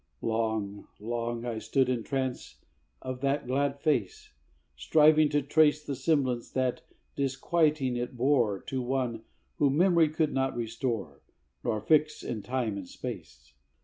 Long, long I stood in trance of that glad face, Striving to trace The semblance that, disquieting, it bore To one whom memory could not restore, Nor fix in time and space.